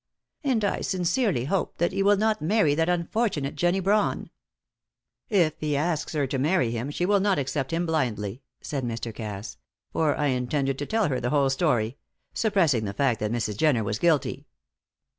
And I sincerely hope that he will not marry that unfortunate Jenny Brawn." "If he asks her to marry him, she will not accept him blindly," said Mr. Cass, "for I intended to tell her the whole story suppressing the fact that Mrs. Jenner was guilty."